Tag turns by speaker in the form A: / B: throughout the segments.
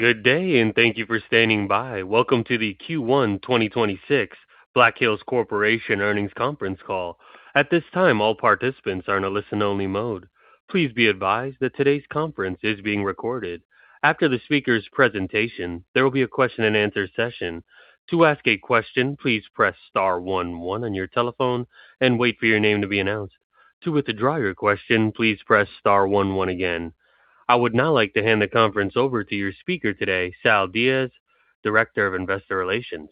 A: Welcome to the Q1 2026 Black Hills Corporation Earnings Conference Call. At this time, all participants are in a listen-only mode. Please be advised that today's conference is being recorded. After the speaker's presentation, there will be a question-and-answer session. To ask a question, please press star one one on your telephone and wait for your name to be announced. To withdraw your question, please press star one one again. I would now like to hand the conference over to your speaker today, Sal Diaz, Director of Investor Relations.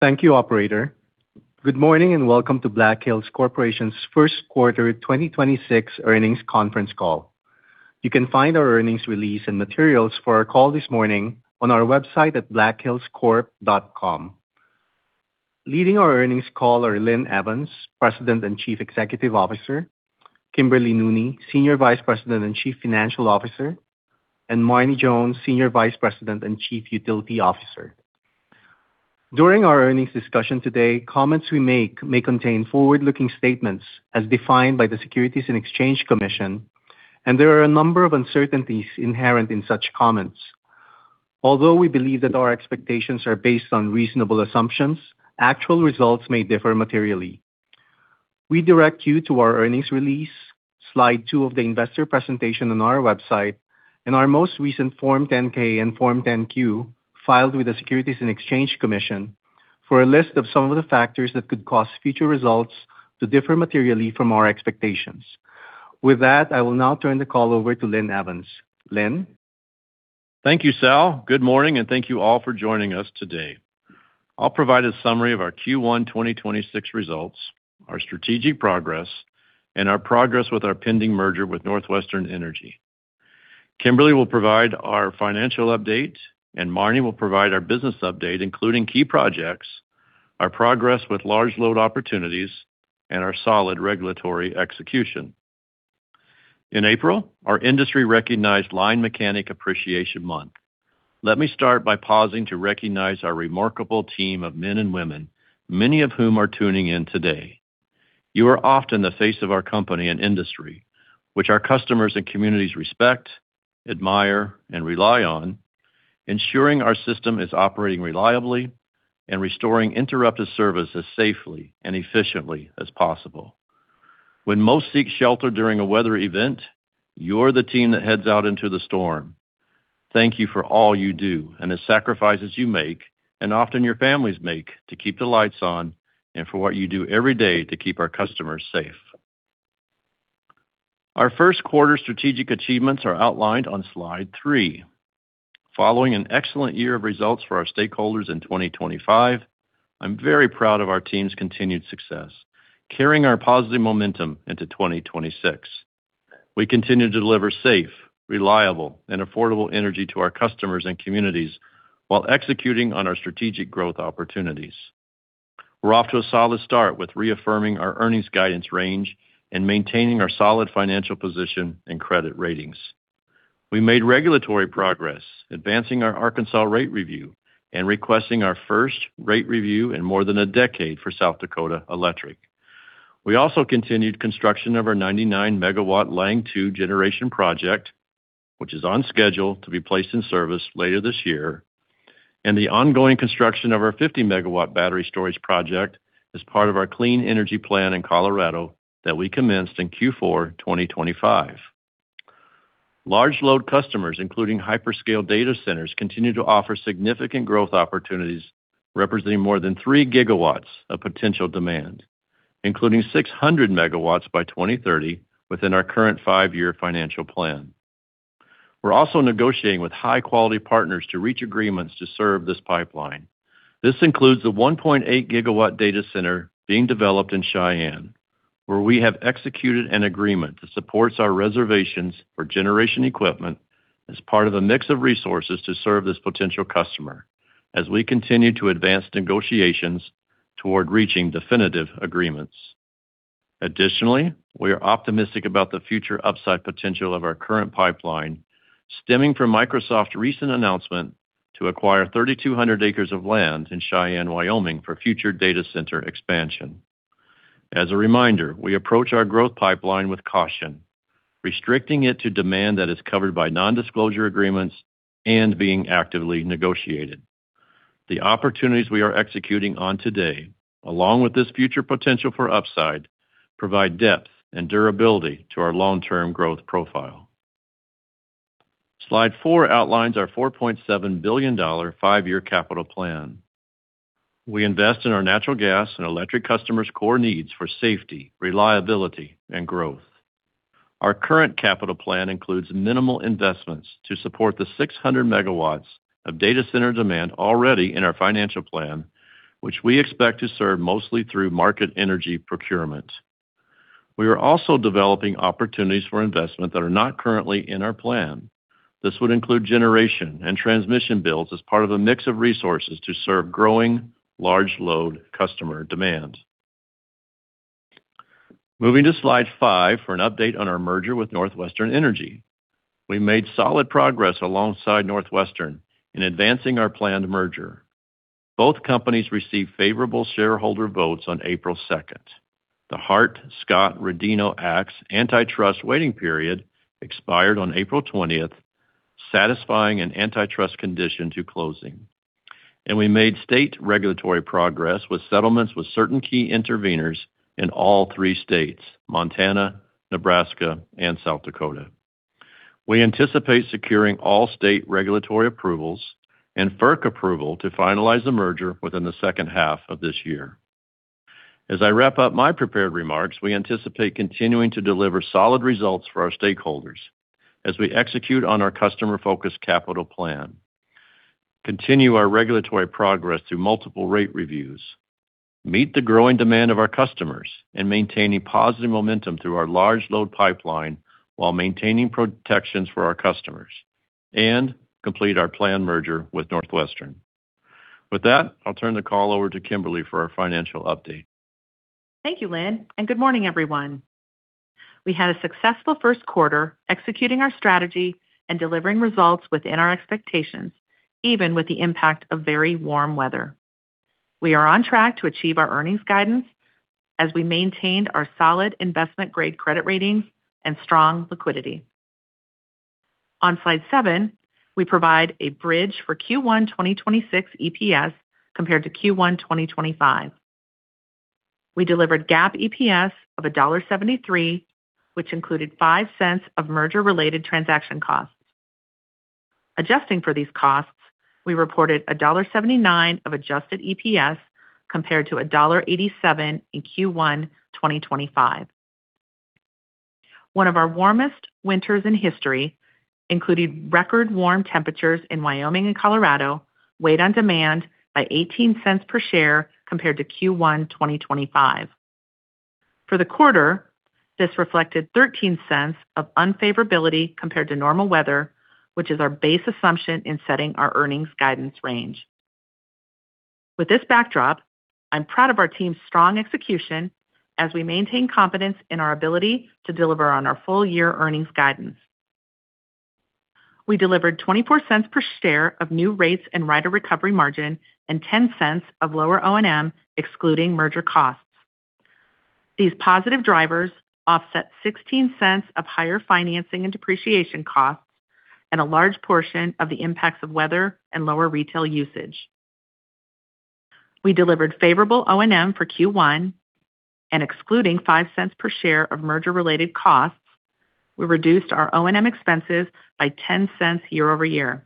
B: Thank you, operator. Good morning, and welcome to Black Hills Corporation's First Quarter 2026 Earnings Conference Call. You can find our earnings release and materials for our call this morning on our website at blackhillscorp.com. Leading our earnings call are Linn Evans, President and Chief Executive Officer; Kimberly Nooney, Senior Vice President and Chief Financial Officer; and Marne Jones, Senior Vice President and Chief Utility Officer. During our earnings discussion today, comments we make may contain forward-looking statements as defined by the Securities and Exchange Commission, and there are a number of uncertainties inherent in such comments. Although we believe that our expectations are based on reasonable assumptions, actual results may differ materially. We direct you to our earnings release, slide two of the investor presentation on our website, and our most recent Form 10-K and Form 10-Q filed with the Securities and Exchange Commission for a list of some of the factors that could cause future results to differ materially from our expectations. With that, I will now turn the call over to Linn Evans. Linn?
C: Thank you, Sal. Good morning, and thank you all for joining us today. I'll provide a summary of our Q1 2026 results, our strategic progress, and our progress with our pending merger with NorthWestern Energy. Kimberly will provide our financial update, and Marne will provide our business update, including key projects, our progress with large load opportunities, and our solid regulatory execution. In April, our industry recognized Line Mechanic Appreciation Month. Let me start by pausing to recognize our remarkable team of men and women, many of whom are tuning in today. You are often the face of our company and industry, which our customers and communities respect, admire, and rely on, ensuring our system is operating reliably and restoring interrupted service as safely and efficiently as possible. When most seek shelter during a weather event, you're the team that heads out into the storm. Thank you for all you do and the sacrifices you make, and often your families make, to keep the lights on and for what you do every day to keep our customers safe. Our first quarter strategic achievements are outlined on slide three. Following an excellent year of results for our stakeholders in 2025, I'm very proud of our team's continued success, carrying our positive momentum into 2026. We continue to deliver safe, reliable, and affordable energy to our customers and communities while executing on our strategic growth opportunities. We're off to a solid start with reaffirming our earnings guidance range and maintaining our solid financial position and credit ratings. We made regulatory progress, advancing our Arkansas rate review and requesting our first rate review in more than a decade for South Dakota Electric. We also continued construction of our 99 MW Lange II generation project, which is on schedule to be placed in service later this year, and the ongoing construction of our 50 MW battery storage project as part of our Clean Energy Plan in Colorado that we commenced in Q4 2025. Large load customers, including hyperscale data centers, continue to offer significant growth opportunities representing more than 3 GW of potential demand, including 600 MW by 2030 within our current five-year financial plan. We're also negotiating with high-quality partners to reach agreements to serve this pipeline. This includes the 1.8 GW data center being developed in Cheyenne, where we have executed an agreement that supports our reservations for generation equipment as part of a mix of resources to serve this potential customer as we continue to advance negotiations toward reaching definitive agreements. Additionally, we are optimistic about the future upside potential of our current pipeline stemming from Microsoft's recent announcement to acquire 3,200 acres of land in Cheyenne, Wyoming, for future data center expansion. As a reminder, we approach our growth pipeline with caution, restricting it to demand that is covered by non-disclosure agreements and being actively negotiated. The opportunities we are executing on today, along with this future potential for upside, provide depth and durability to our long-term growth profile. Slide four outlines our $4.7 billion five-year capital plan. We invest in our natural gas and electric customers' core needs for safety, reliability, and growth. Our current capital plan includes minimal investments to support the 600 MW of data center demand already in our financial plan, which we expect to serve mostly through market energy procurement. We are also developing opportunities for investment that are not currently in our plan. This would include generation and transmission builds as part of a mix of resources to serve growing large load customer demands. Moving to slide five for an update on our merger with NorthWestern Energy. We made solid progress alongside NorthWestern in advancing our planned merger. Both companies received favorable shareholder votes on April 2nd. The Hart-Scott-Rodino Act's antitrust waiting period expired on April 20th, satisfying an antitrust condition to closing. We made state regulatory progress with settlements with certain key interveners in all three states, Montana, Nebraska, and South Dakota. We anticipate securing all state regulatory approvals and FERC approval to finalize the merger within the second half of this year. As I wrap up my prepared remarks, we anticipate continuing to deliver solid results for our stakeholders as we execute on our customer-focused capital plan, continue our regulatory progress through multiple rate reviews, meet the growing demand of our customers, and maintaining positive momentum through our large load pipeline while maintaining protections for our customers, and complete our planned merger with NorthWestern. With that, I'll turn the call over to Kimberly for our financial update.
D: Thank you, Linn, and good morning, everyone. We had a successful first quarter executing our strategy and delivering results within our expectations, even with the impact of very warm weather. We are on track to achieve our earnings guidance as we maintained our solid investment-grade credit ratings and strong liquidity. On slide seven, we provide a bridge for Q1 2026 EPS compared to Q1 2025. We delivered GAAP EPS of $1.73, which included $0.05 of merger-related transaction costs. Adjusting for these costs, we reported $1.79 of adjusted EPS compared to $1.87 in Q1 2025. One of our warmest winters in history, including record warm temperatures in Wyoming and Colorado, weighed on demand by $0.18 per share compared to Q1 2025. For the quarter, this reflected $0.13 of unfavorability compared to normal weather, which is our base assumption in setting our earnings guidance range. With this backdrop, I'm proud of our team's strong execution as we maintain confidence in our ability to deliver on our full-year earnings guidance. We delivered $0.24 per share of new rates and rider recovery margin and $0.10 of lower O&M, excluding merger costs. These positive drivers offset $0.16 of higher financing and depreciation costs and a large portion of the impacts of weather and lower retail usage. We delivered favorable O&M for Q1 and excluding $0.05 per share of merger-related costs, we reduced our O&M expenses by $0.10 year-over-year.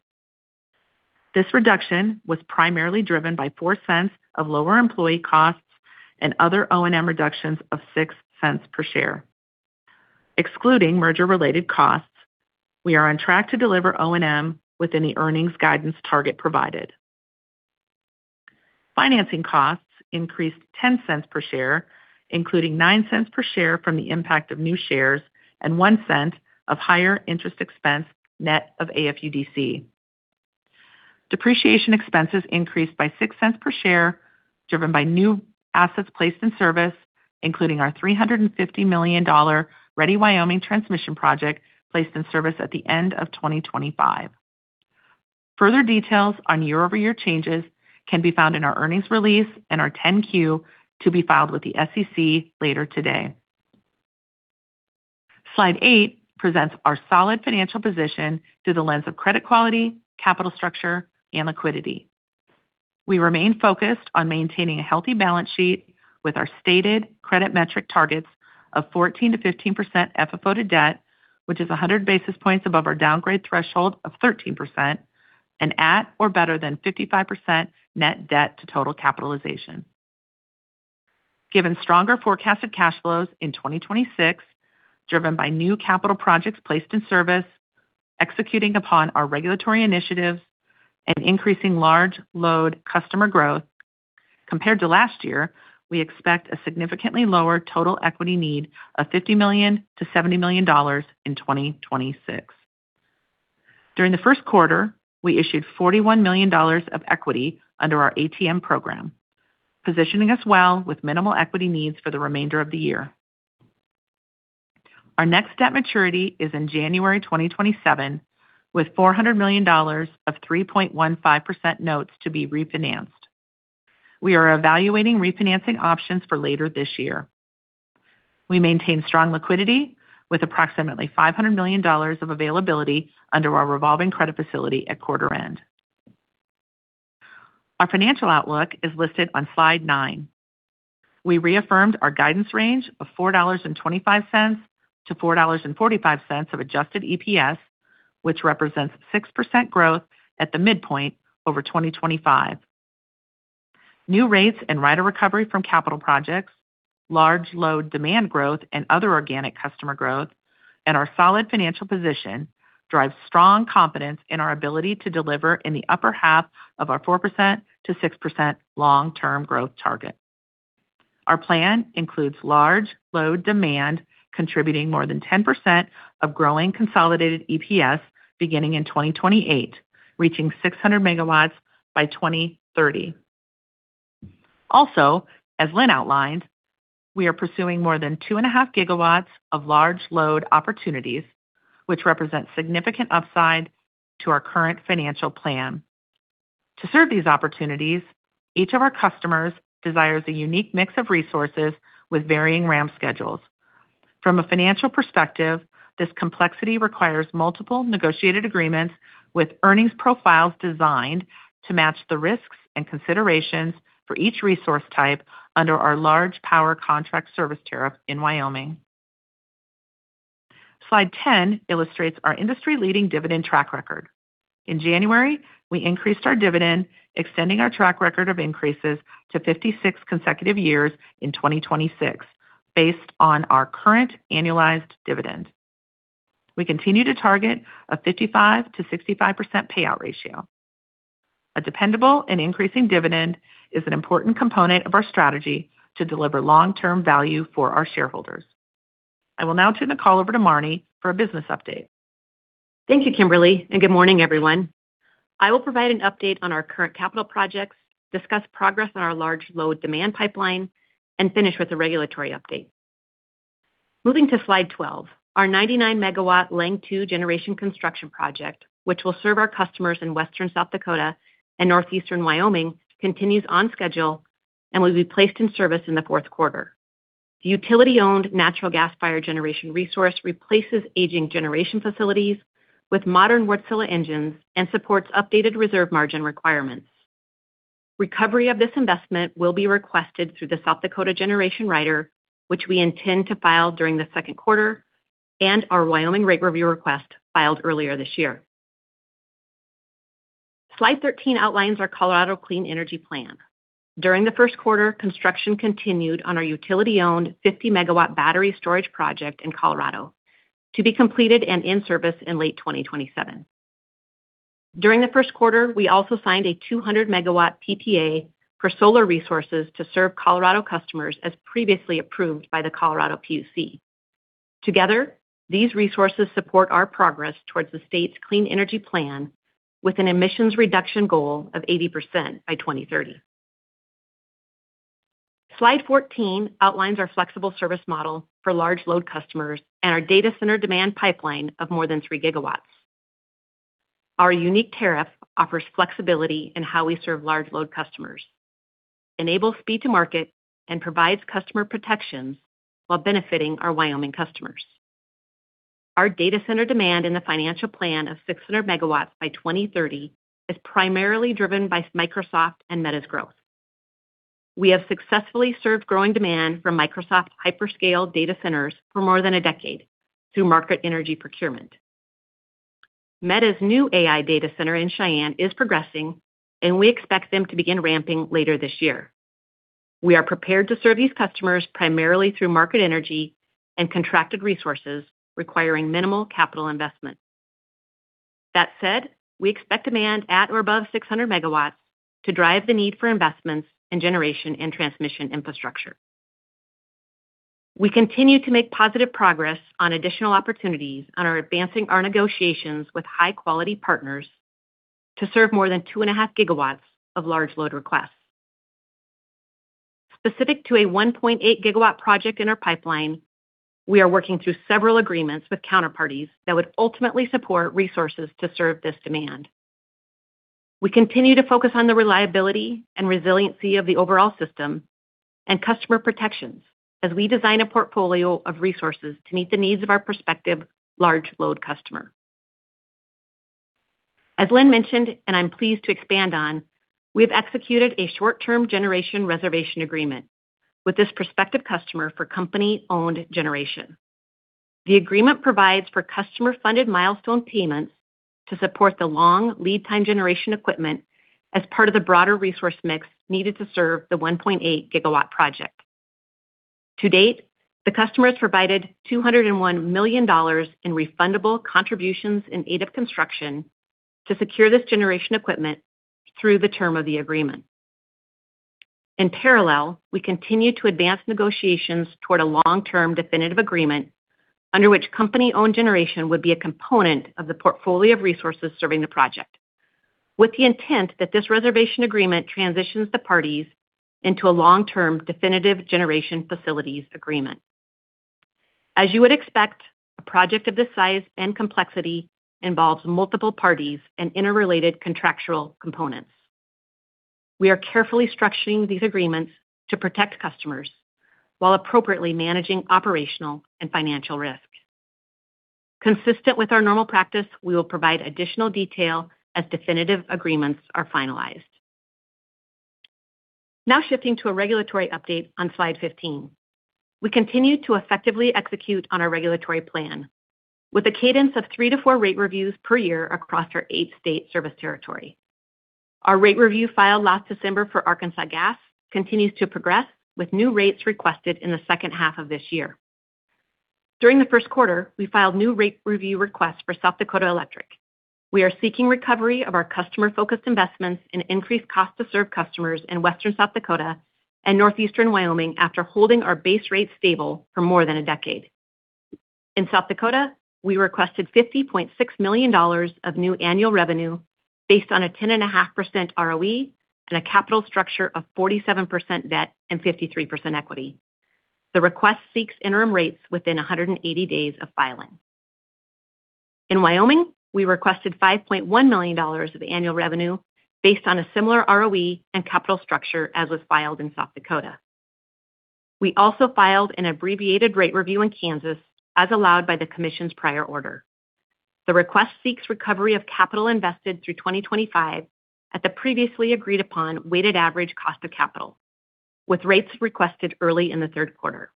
D: This reduction was primarily driven by $0.04 of lower employee costs and other O&M reductions of $0.06 per share. Excluding merger-related costs, we are on track to deliver O&M within the earnings guidance target provided. Financing costs increased $0.10 per share, including $0.09 per share from the impact of new shares and $0.01 of higher interest expense net of AFUDC. Depreciation expenses increased by $0.06 per share, driven by new assets placed in service, including our $350 million Ready Wyoming transmission project placed in service at the end of 2025. Further details on year-over-year changes can be found in our earnings release and our 10-Q to be filed with the SEC later today. Slide eight presents our solid financial position through the lens of credit quality, capital structure, and liquidity. We remain focused on maintaining a healthy balance sheet with our stated credit metric targets of 14%-15% FFO to debt, which is 100 basis points above our downgrade threshold of 13%, and at or better than 55% net debt to total capitalization. Given stronger forecasted cash flows in 2026, driven by new capital projects placed in service, executing upon our regulatory initiatives, and increasing large load customer growth, compared to last year, we expect a significantly lower total equity need of $50 million-$70 million in 2026. During the first quarter, we issued $41 million of equity under our ATM program, positioning us well with minimal equity needs for the remainder of the year. Our next debt maturity is in January 2027, with $400 million of 3.15% notes to be refinanced. We are evaluating refinancing options for later this year. We maintain strong liquidity with approximately $500 million of availability under our revolving credit facility at quarter end. Our financial outlook is listed on slide nine. We reaffirmed our guidance range of $4.25-$4.45 of adjusted EPS, which represents 6% growth at the midpoint over 2025. New rates and rider recovery from capital projects, large load demand growth and other organic customer growth, and our solid financial position drives strong confidence in our ability to deliver in the upper half of our 4%-6% long-term growth target. Our plan includes large load demand contributing more than 10% of growing consolidated EPS beginning in 2028, reaching 600 MW by 2030. As Linn outlined, we are pursuing more than 2.5 GW of large load opportunities, which represent significant upside to our current financial plan. To serve these opportunities, each of our customers desires a unique mix of resources with varying ramp schedules. From a financial perspective, this complexity requires multiple negotiated agreements with earnings profiles designed to match the risks and considerations for each resource type under our large power contract service tariff in Wyoming. Slide 10 illustrates our industry-leading dividend track record. In January, we increased our dividend, extending our track record of increases to 56 consecutive years in 2026, based on our current annualized dividend. We continue to target a 55%-65% payout ratio. A dependable and increasing dividend is an important component of our strategy to deliver long-term value for our shareholders. I will now turn the call over to Marne for a business update.
E: Thank you, Kimberly, good morning, everyone. I will provide an update on our current capital projects, discuss progress on our large load demand pipeline, and finish with a regulatory update. Moving to slide 12, our 99 MW Lange II generation construction project, which will serve our customers in western South Dakota and northeastern Wyoming, continues on schedule and will be placed in service in the fourth quarter. The utility-owned natural gas-fired generation resource replaces aging generation facilities with modern Wärtsilä engines and supports updated reserve margin requirements. Recovery of this investment will be requested through the South Dakota Generation Rider, which we intend to file during the second quarter and our Wyoming rate review request filed earlier this year. Slide 13 outlines our Colorado Clean Energy Plan. During the first quarter, construction continued on our utility-owned 50 MW battery storage project in Colorado to be completed and in service in late 2027. During the first quarter, we also signed a 200 MW PPA for solar resources to serve Colorado customers as previously approved by the Colorado PUC. Together, these resources support our progress towards the state's Clean Energy Plan with an emissions reduction goal of 80% by 2030. Slide 14 outlines our flexible service model for large load customers and our data center demand pipeline of more than three GW. Our unique tariff offers flexibility in how we serve large load customers, enables speed to market, and provides customer protections while benefiting our Wyoming customers. Our data center demand in the financial plan of 600 MW by 2030 is primarily driven by Microsoft and Meta's growth. We have successfully served growing demand from Microsoft's hyperscale data centers for more than a decade through market energy procurement. Meta's new AI data center in Cheyenne is progressing, and we expect them to begin ramping later this year. We are prepared to serve these customers primarily through market energy and contracted resources requiring minimal capital investment. That said, we expect demand at or above 600 MW to drive the need for investments in generation and transmission infrastructure. We continue to make positive progress on additional opportunities and are advancing our negotiations with high-quality partners to serve more than 2.5 GW of large load requests. Specific to a 1.8 GW project in our pipeline, we are working through several agreements with counterparties that would ultimately support resources to serve this demand. We continue to focus on the reliability and resiliency of the overall system and customer protections as we design a portfolio of resources to meet the needs of our prospective large load customer. As Linn mentioned, and I'm pleased to expand on, we have executed a short-term generation reservation agreement with this prospective customer for company-owned generation. The agreement provides for customer-funded milestone payments to support the long lead time generation equipment as part of the broader resource mix needed to serve the 1.8 GW project. To date, the customer has provided $201 million in refundable Contribution in Aid of Construction to secure this generation equipment through the term of the agreement. In parallel, we continue to advance negotiations toward a long-term definitive agreement under which company-owned generation would be a component of the portfolio of resources serving the project, with the intent that this reservation agreement transitions the parties into a long-term definitive generation facilities agreement. As you would expect, a project of this size and complexity involves multiple parties and interrelated contractual components. We are carefully structuring these agreements to protect customers while appropriately managing operational and financial risk. Consistent with our normal practice, we will provide additional detail as definitive agreements are finalized. Now shifting to a regulatory update on slide 15. We continue to effectively execute on our regulatory plan with a cadence of three to four rate reviews per year across our eight-state service territory. Our rate review filed last December for Arkansas Gas continues to progress, with new rates requested in the second half of this year. During the first quarter, we filed new rate review requests for South Dakota Electric. We are seeking recovery of our customer-focused investments and increased cost to serve customers in western South Dakota and northeastern Wyoming after holding our base rates stable for more than a decade. In South Dakota, we requested $50.6 million of new annual revenue based on a 10.5% ROE and a capital structure of 47% debt and 53% equity. The request seeks interim rates within 180 days of filing. In Wyoming, we requested $5.1 million of annual revenue based on a similar ROE and capital structure as was filed in South Dakota. We also filed an abbreviated rate review in Kansas, as allowed by the Commission's prior order. The request seeks recovery of capital invested through 2025 at the previously agreed upon weighted average cost of capital, with rates requested early in the third quarter.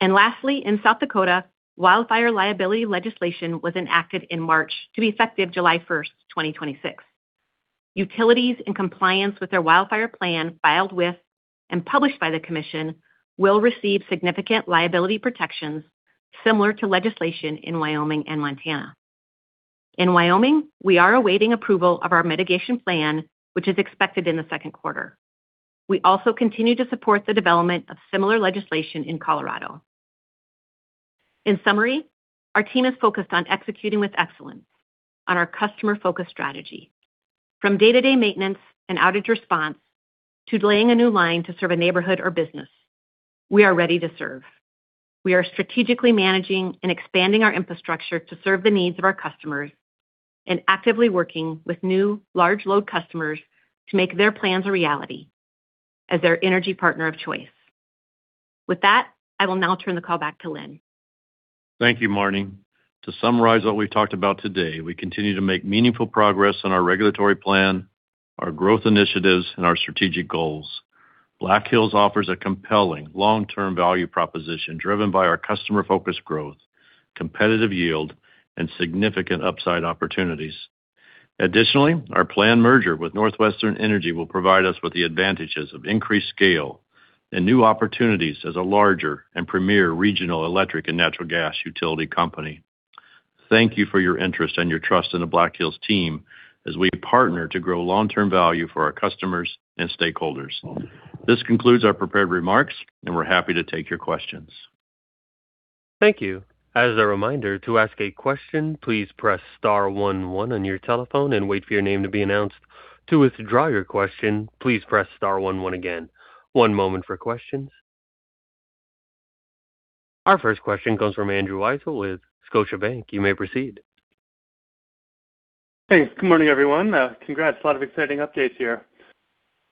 E: Lastly, in South Dakota, wildfire liability legislation was enacted in March to be effective July 1st, 2026. Utilities in compliance with their wildfire plan filed with and published by the Commission will receive significant liability protections similar to legislation in Wyoming and Montana. In Wyoming, we are awaiting approval of our mitigation plan, which is expected in the second quarter. We also continue to support the development of similar legislation in Colorado. In summary, our team is focused on executing with excellence on our customer-focused strategy. From day-to-day maintenance and outage response to laying a new line to serve a neighborhood or business, we are ready to serve. We are strategically managing and expanding our infrastructure to serve the needs of our customers and actively working with new large load customers to make their plans a reality as their energy partner of choice. With that, I will now turn the call back to Linn.
C: Thank you, Marne. To summarize what we've talked about today, we continue to make meaningful progress on our regulatory plan, our growth initiatives, and our strategic goals. Black Hills offers a compelling long-term value proposition driven by our customer-focused growth, competitive yield, and significant upside opportunities. Additionally, our planned merger with NorthWestern Energy will provide us with the advantages of increased scale and new opportunities as a larger and premier regional electric and natural gas utility company. Thank you for your interest and your trust in the Black Hills team as we partner to grow long-term value for our customers and stakeholders. This concludes our prepared remarks, and we're happy to take your questions.
A: Thank you. As a reminder, to ask a question, please press star one one on your telephone and wait for your name to be announced. To withdraw your question, please press star one one again. One moment for question. Our first question comes from Andrew Weisel with Scotiabank. You may proceed.
F: Thanks. Good morning, everyone. Congrats. A lot of exciting updates here.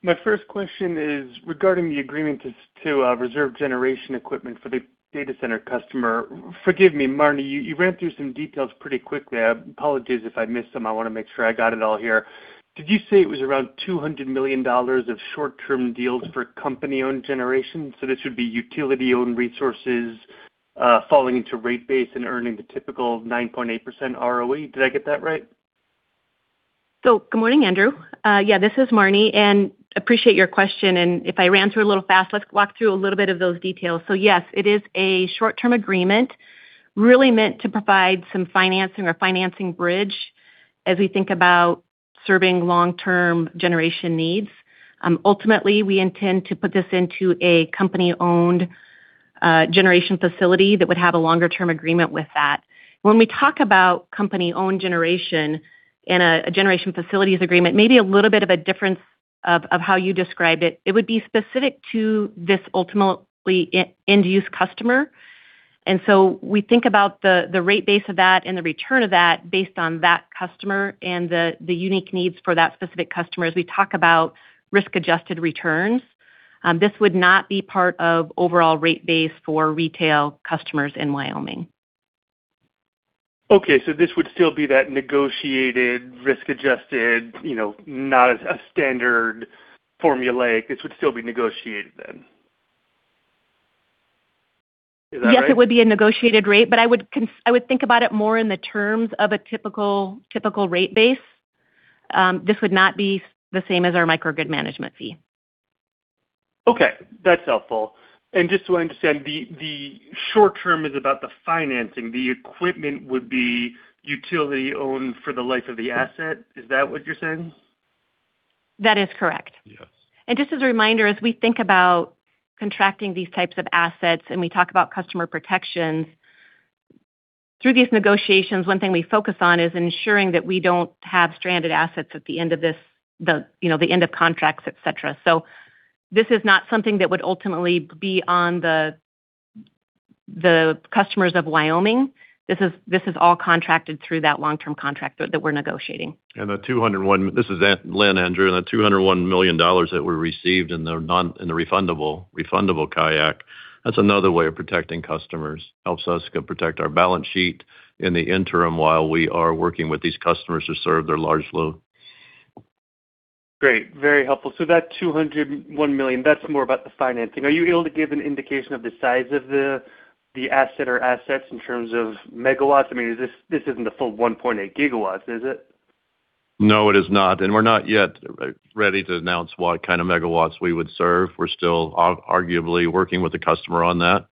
F: My first question is regarding the agreement to reserve generation equipment for the data center customer. Forgive me, Marne, you ran through some details pretty quickly. I apologize if I missed some. I wanna make sure I got it all here. Did you say it was around $200 million of short-term deals for company-owned generation? So this would be utility-owned resources, falling into rate base and earning the typical 9.8% ROE. Did I get that right?
E: Good morning, Andrew. Yeah, this is Marne. I appreciate your question. If I ran through it a little fast, let's walk through a little bit of those details. Yes, it is a short-term agreement really meant to provide some financing or financing bridge as we think about serving long-term generation needs. Ultimately, we intend to put this into a company-owned generation facility that would have a longer-term agreement with that. When we talk about company-owned generation in a generation facilities agreement, maybe a little bit of a difference of how you described it. It would be specific to this ultimately end-use customer. We think about the rate base of that and the return of that based on that customer and the unique needs for that specific customer as we talk about risk-adjusted returns. This would not be part of overall rate base for retail customers in Wyoming.
F: This would still be that negotiated risk-adjusted, you know, not a standard formulaic. This would still be negotiated then. Is that right?
E: Yes, it would be a negotiated rate. I would think about it more in the terms of a typical rate base. This would not be the same as our microgrid management fee.
F: Okay, that's helpful. Just so I understand, the short term is about the financing. The equipment would be utility-owned for the life of the asset. Is that what you're saying?
E: That is correct.
F: Yes.
E: Just as a reminder, as we think about contracting these types of assets, and we talk about customer protections, through these negotiations, one thing we focus on is ensuring that we don't have stranded assets at the end of this, you know, the end of contracts, et cetera. This is not something that would ultimately be on the customers of Wyoming. This is all contracted through that long-term contract that we're negotiating.
C: This is Linn, Andrew, and the $201 million that were received in the refundable CIAC, that's another way of protecting customers. It helps us protect our balance sheet in the interim while we are working with these customers to serve their large load.
F: Great. Very helpful. That $201 million, that's more about the financing. Are you able to give an indication of the size of the asset or assets in terms of megawatts? I mean, this isn't the full 1.8 GW, is it?
C: No, it is not. We're not yet ready to announce what kind of megawatts we would serve. We're still arguably working with the customer on that.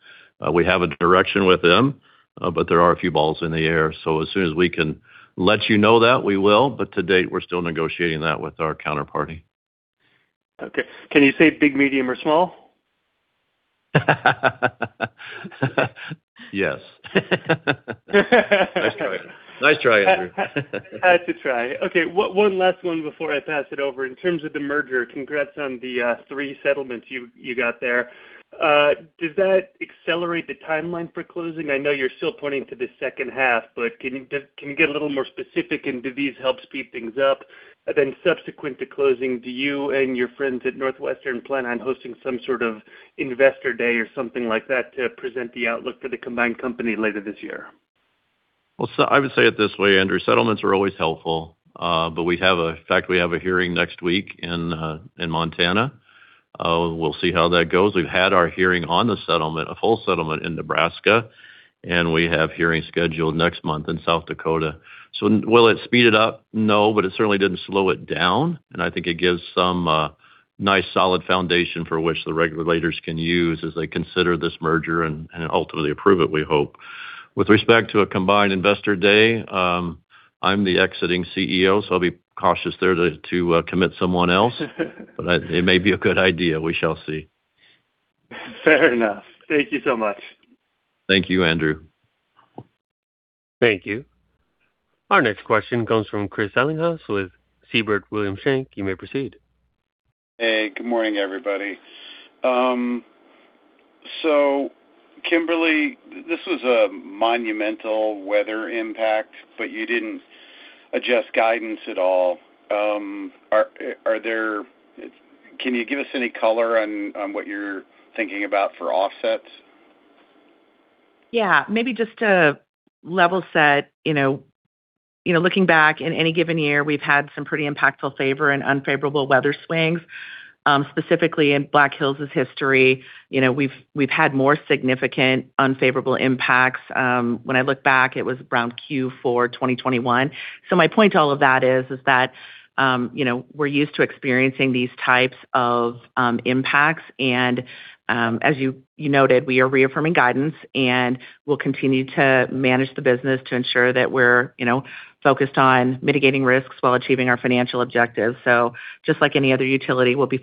C: We have a direction with them, but there are a few balls in the air. As soon as we can let you know that, we will, but to date, we're still negotiating that with our counterparty.
F: Okay. Can you say big, medium or small?
C: Yes. Nice try. Nice try, Andrew.
F: I had to try. Okay. One last one before I pass it over. In terms of the merger, congrats on the three settlements you got there. Does that accelerate the timeline for closing? I know you're still pointing to the second half, can you get a little more specific? Do these help speed things up? Subsequent to closing, do you and your friends at NorthWestern plan on hosting some sort of Investor Day or something like that to present the outlook for the combined company later this year?
C: I would say it this way, Andrew. Settlements are always helpful. We have a hearing next week in Montana. We'll see how that goes. We've had our hearing on the settlement, a full settlement in Nebraska, and we have hearings scheduled next month in South Dakota. Will it speed it up? No, but it certainly didn't slow it down, and I think it gives some nice solid foundation for which the regulators can use as they consider this merger and ultimately approve it, we hope. With respect to a combined Investor Day, I'm the exiting CEO, so I'll be cautious there to commit someone else. It may be a good idea. We shall see.
F: Fair enough. Thank you so much.
C: Thank you, Andrew.
A: Thank you. Our next question comes from Chris Ellinghaus with Siebert Williams Shank. You may proceed.
G: Hey, good morning, everybody. Kimberly, this was a monumental weather impact, but you didn't adjust guidance at all. Can you give us any color on what you're thinking about for offsets?
D: Yeah. Maybe just to level set, you know, looking back in any given year, we've had some pretty impactful favor and unfavorable weather swings. Specifically in Black Hills' history, you know, we've had more significant unfavorable impacts. When I look back, it was around Q4 2021. My point to all of that is that, you know, we're used to experiencing these types of impacts and, as you noted, we are reaffirming guidance, and we'll continue to manage the business to ensure that we're, you know, focused on mitigating risks while achieving our financial objectives. Just like any other utility, we'll be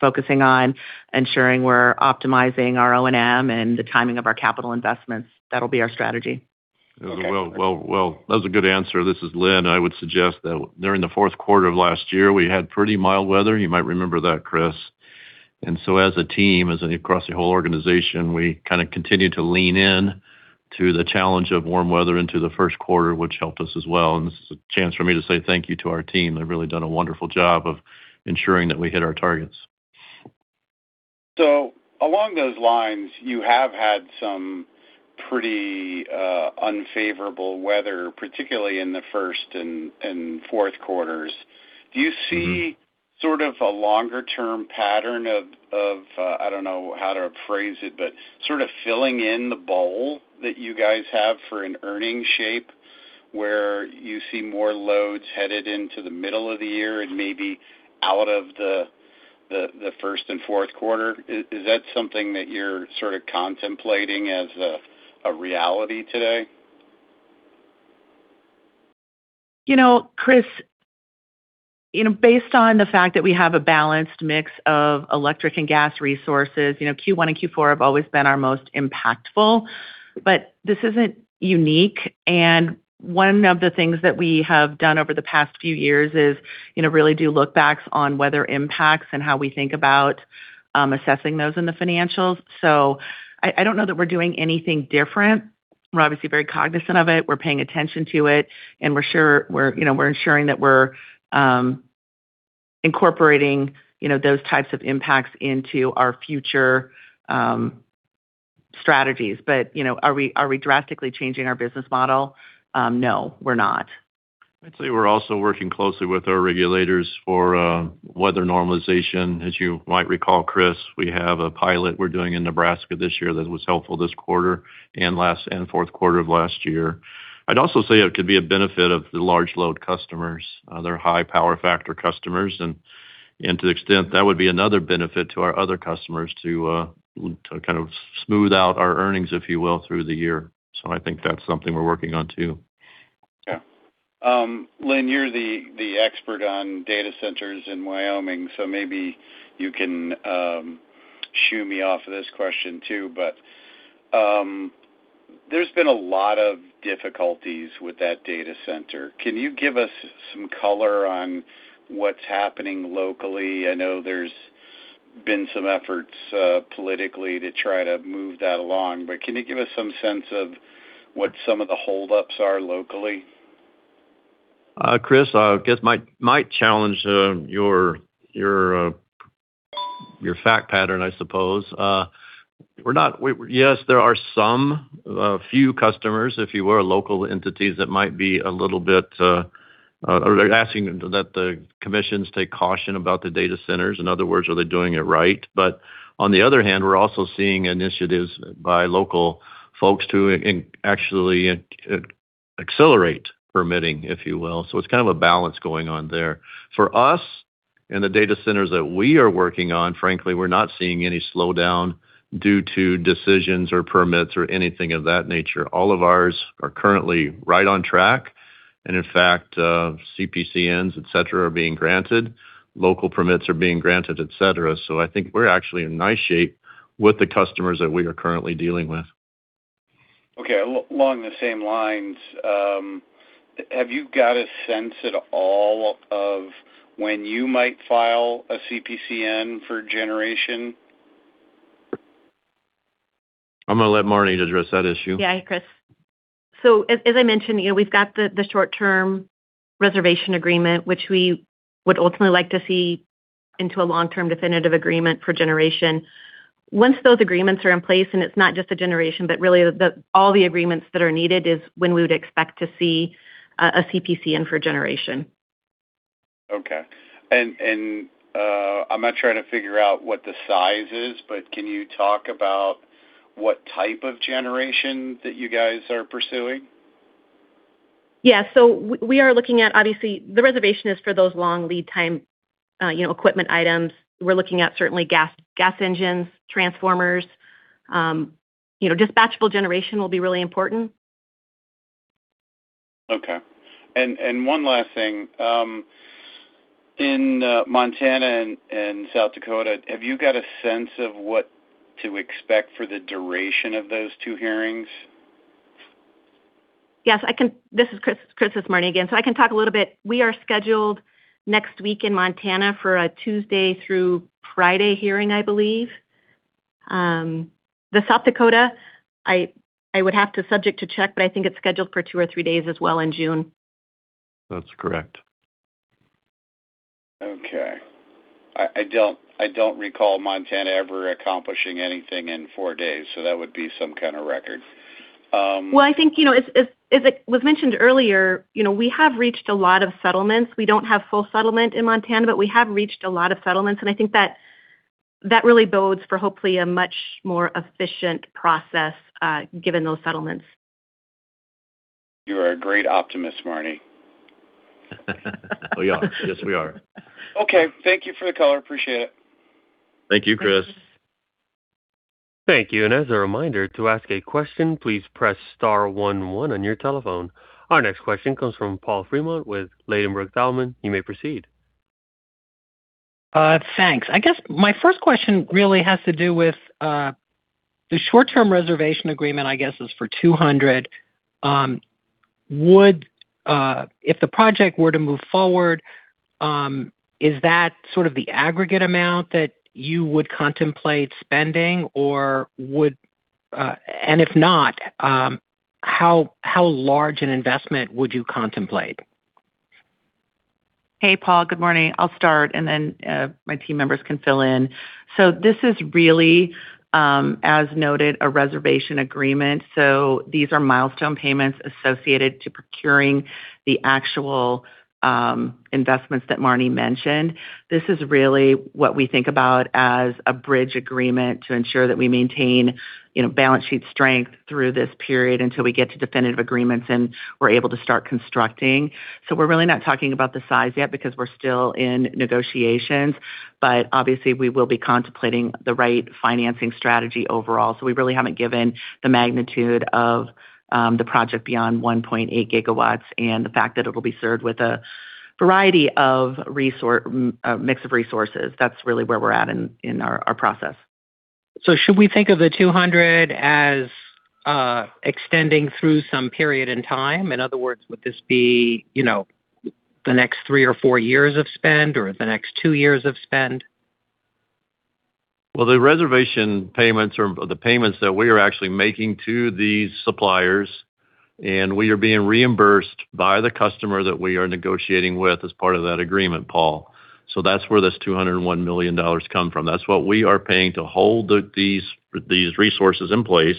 D: focusing on ensuring we're optimizing our O&M and the timing of our capital investments. That'll be our strategy.
C: Well, well, well, that was a good answer. This is Linn. I would suggest that during the fourth quarter of last year, we had pretty mild weather. You might remember that, Chris. As a team, as across the whole organization, we kinda continued to lean in to the challenge of warm weather into the first quarter, which helped us as well. This is a chance for me to say thank you to our team. They've really done a wonderful job of ensuring that we hit our targets.
G: Along those lines, you have had some pretty unfavorable weather, particularly in the first and fourth quarters. Do you see sort of a longer term pattern of, I don't know how to phrase it, but sort of filling in the bowl that you guys have for an earnings shape where you see more loads headed into the middle of the year and maybe out of the first and fourth quarter? Is that something that you're sort of contemplating as a reality today?
D: Chris, based on the fact that we have a balanced mix of electric and gas resources, Q1 and Q4 have always been our most impactful. This isn't unique. One of the things that we have done over the past few years is really do look-backs on weather impacts and how we think about assessing those in the financials. I don't know that we're doing anything different. We're obviously very cognizant of it. We're paying attention to it, and we're sure we're ensuring that we're incorporating those types of impacts into our future strategies. Are we drastically changing our business model? No, we're not.
C: I'd say we're also working closely with our regulators for weather normalization. As you might recall, Chris, we have a pilot we're doing in Nebraska this year that was helpful this quarter and fourth quarter of last year. I'd also say it could be a benefit of the large load customers. They're high power factor customers, and to the extent, that would be another benefit to our other customers to kind of smooth out our earnings, if you will, through the year. I think that's something we're working on too.
G: Yeah. Linn, you're the expert on data centers in Wyoming, so maybe you can shoo me off of this question too. There's been a lot of difficulties with that data center. Can you give us some color on what's happening locally? I know there's been some efforts politically to try to move that along. Can you give us some sense of what some of the hold-ups are locally?
C: Chris, I guess my challenge to your fact pattern, I suppose. Yes, there are some, a few customers, if you will, local entities that might be a little bit, or they're asking that the commissions take caution about the data centers. On the other hand, we're also seeing initiatives by local folks to actually accelerate permitting, if you will. It's kind of a balance going on there. For us, in the data centers that we are working on, frankly, we're not seeing any slowdown due to decisions or permits or anything of that nature. All of ours are currently right on track. In fact, CPCNs, et cetera, are being granted. Local permits are being granted, et cetera. I think we're actually in nice shape with the customers that we are currently dealing with.
G: Okay. Along the same lines, have you got a sense at all of when you might file a CPCN for generation?
C: I'm gonna let Marne address that issue.
E: Yeah, Chris. As I mentioned, you know, we've got the short-term reservation agreement, which we would ultimately like to see into a long-term definitive agreement for generation. Once those agreements are in place, and it's not just the generation, but really all the agreements that are needed, is when we would expect to see a CPCN for generation.
G: Okay. I'm not trying to figure out what the size is, but can you talk about what type of generation that you guys are pursuing?
E: We are looking at obviously the reservation is for those long lead time, you know, equipment items. We're looking at certainly gas engines, transformers. You know, dispatchable generation will be really important.
G: Okay. One last thing. In Montana and South Dakota, have you got a sense of what to expect for the duration of those two hearings?
E: Yes, I can. This is, Chris, it's Marne again. I can talk a little bit. We are scheduled next week in Montana for a Tuesday through Friday hearing, I believe. The South Dakota, I would have to subject to check, but I think it's scheduled for two or three days as well in June.
C: That's correct.
G: Okay. I don't recall Montana ever accomplishing anything in four days. That would be some kind of record.
E: Well, I think, you know, as it was mentioned earlier, you know, we have reached a lot of settlements. We don't have full settlement in Montana, but we have reached a lot of settlements. I think that that really bodes for hopefully a much more efficient process given those settlements.
G: You are a great optimist, Marne.
C: We are. Yes, we are.
G: Okay. Thank you for the color. Appreciate it.
C: Thank you, Chris.
E: Thank you.
A: Thank you. As a reminder, to ask a question, please press star one one on your telephone. Our next question comes from Paul Fremont with Ladenburg Thalmann. You may proceed.
H: Thanks. I guess my first question really has to do with the short-term reservation agreement, I guess is for $200 million. If the project were to move forward, is that sort of the aggregate amount that you would contemplate spending? If not, how large an investment would you contemplate?
D: Hey, Paul. Good morning. I'll start and my team members can fill in. This is really, as noted, a reservation agreement. These are milestone payments associated to procuring the actual investments that Marne mentioned. This is really what we think about as a bridge agreement to ensure that we maintain, you know, balance sheet strength through this period until we get to definitive agreements and we're able to start constructing. We're really not talking about the size yet because we're still in negotiations. Obviously we will be contemplating the right financing strategy overall. We really haven't given the magnitude of the project beyond 1.8 GW and the fact that it'll be served with a variety of mix of resources. That's really where we're at in our process.
H: Should we think of the $200 million as extending through some period in time? In other words, would this be, you know, the next three or four years of spend or the next two years of spend?
C: The reservation payments are the payments that we are actually making to these suppliers, and we are being reimbursed by the customer that we are negotiating with as part of that agreement, Paul. That's where this $201 million come from. That's what we are paying to hold these resources in place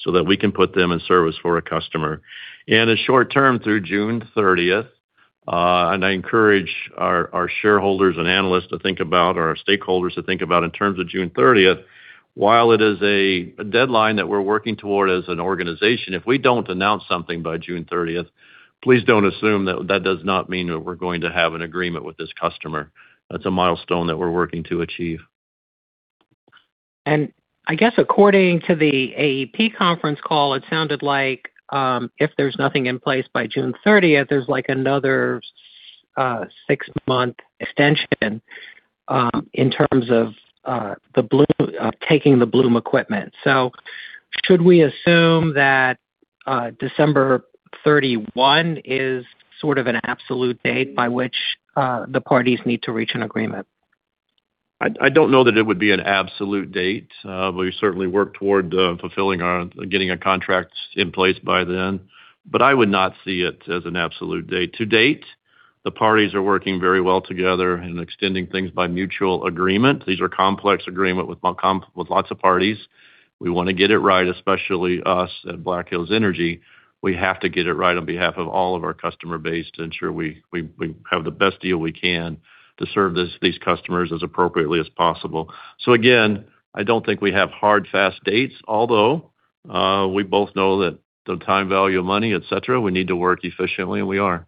C: so that we can put them in service for a customer. It's short-term through June 30th. I encourage our shareholders and analysts to think about, or our stakeholders to think about in terms of June 30th. While it is a deadline that we're working toward as an organization, if we don't announce something by June thirtieth, please don't assume that that does not mean that we're going to have an agreement with this customer. That's a milestone that we're working to achieve.
H: I guess according to the AEP conference call, it sounded like, if there's nothing in place by June 30th, there's like another six-month extension, in terms of taking the Bloom equipment. Should we assume that December 31 is sort of an absolute date by which the parties need to reach an agreement?
C: I don't know that it would be an absolute date. We certainly work toward getting our contracts in place by then, but I would not see it as an absolute date. To date, the parties are working very well together and extending things by mutual agreement. These are complex agreement with lots of parties. We wanna get it right, especially us at Black Hills Energy. We have to get it right on behalf of all of our customer base to ensure we have the best deal we can to serve these customers as appropriately as possible. Again, I don't think we have hard, fast dates, although we both know that the time, value of money, et cetera, we need to work efficiently, and we are.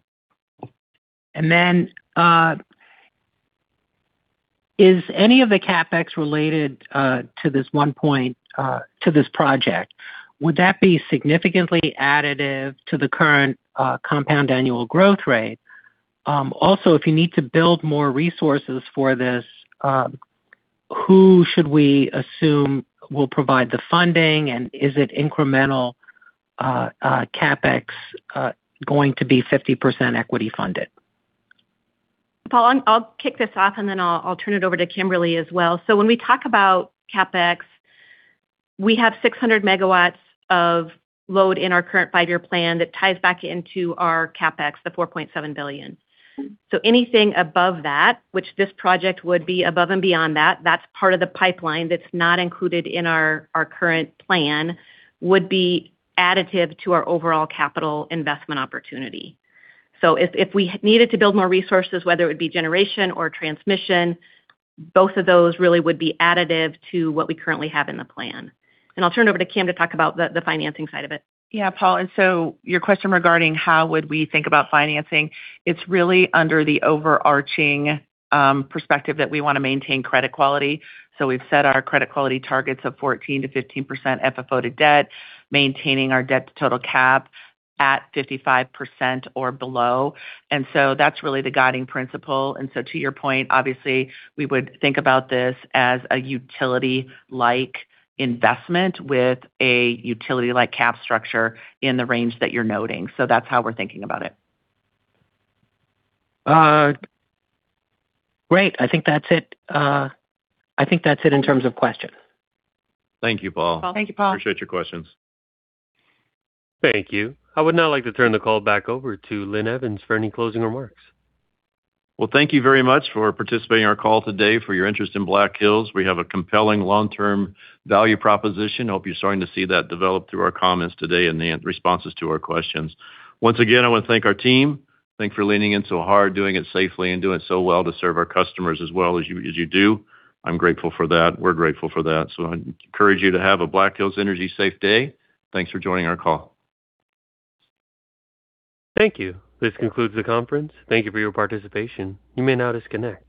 H: Is any of the CapEx related to this one point to this project? Would that be significantly additive to the current compound annual growth rate? Also, if you need to build more resources for this, who should we assume will provide the funding? Is it incremental CapEx going to be 50% equity funded?
E: Paul, I'll kick this off, and then I'll turn it over to Kimberly as well. When we talk about CapEx, we have 600 MW of load in our current five-year plan that ties back into our CapEx, the $4.7 billion. Anything above that, which this project would be above and beyond that's part of the pipeline that's not included in our current plan, would be additive to our overall capital investment opportunity. If we needed to build more resources, whether it would be generation or transmission, both of those really would be additive to what we currently have in the plan. I'll turn it over to Kim to talk about the financing side of it.
D: Yeah, Paul. Your question regarding how would we think about financing, it's really under the overarching perspective that we wanna maintain credit quality. We've set our credit quality targets of 14%-15% FFO to debt, maintaining our debt to total cap at 55% or below. That's really the guiding principle. To your point, obviously, we would think about this as a utility-like investment with a utility-like cap structure in the range that you're noting. That's how we're thinking about it.
H: Great. I think that's it. I think that's it in terms of questions.
C: Thank you, Paul.
E: Paul.
D: Thank you, Paul.
C: Appreciate your questions.
A: Thank you. I would now like to turn the call back over to Linn Evans for any closing remarks.
C: Thank you very much for participating in our call today, for your interest in Black Hills. We have a compelling long-term value proposition. Hope you're starting to see that develop through our comments today and the responses to our questions. Once again, I wanna thank our team. Thank you for leaning in so hard, doing it safely, and doing so well to serve our customers as well as you do. I'm grateful for that. We're grateful for that. I encourage you to have a Black Hills Energy safe day. Thanks for joining our call.
A: Thank you. This concludes the conference. Thank you for your participation. You may now disconnect.